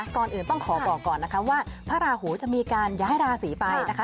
ก่อนอื่นต้องขอบอกก่อนนะคะว่าพระราหูจะมีการย้ายราศีไปนะคะ